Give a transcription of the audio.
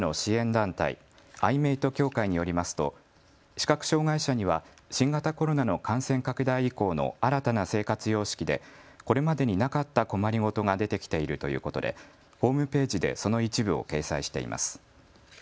団体アイメイト協会によりますと視覚障害者には新型コロナの感染拡大以降の新たな生活様式でこれまでになかった困り事が出てきているということでホームページでその一部を掲載しています。